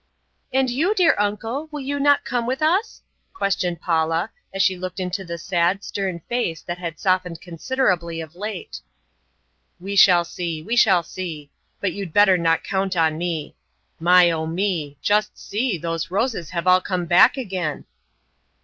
"And you, dear uncle, will you not come with us?" questioned Paula, as she looked into the sad, stern face that had softened considerably of late. "We shall see, we shall see. But you'd better not count on me. My, oh, me! Just see! Those roses have all come back again!"